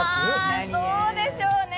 あ、どうでしょうね。